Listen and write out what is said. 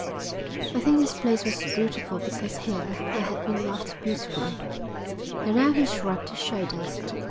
"I think this place was beautiful because here I had been loved beautifully." And now he shrugged his shoulders.